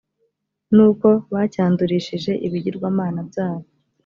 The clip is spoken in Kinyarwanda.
n uko bacyandurishije ibigirwamana byabo